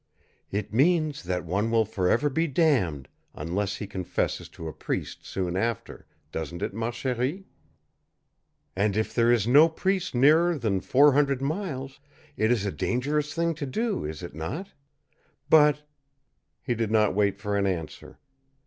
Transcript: "It means that one will be for ever damned unless he confesses to a priest soon after, doesn't it ma chérie? And if there is no priest nearer than four hundred miles, it is a dangerous thing to do, is it not? But " He did not wait for an answer.